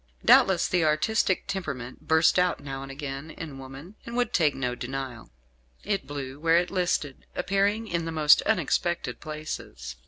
Doubtless the artistic temperament burst out now and again in woman, and would take no denial. It blew where it listed, appearing in the most unexpected places.